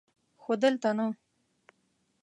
خو دلته نه!